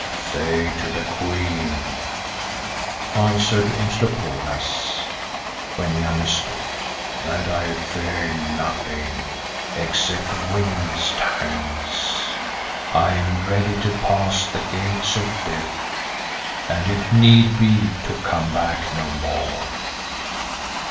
"Say to the Queen," answered Umslopogaas, when he understood, "that I fear nothing, except women's tongues. I am ready to pass the Gates of Death and, if need be, to come back no more.